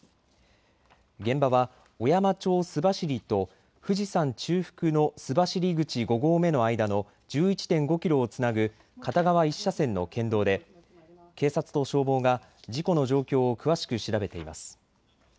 現場は小山町須走と富士山中腹の須走口五合目の間の１１．５キロをつなぐ片側１車線の県道で警察と消防が事故の状況を詳しく調べています。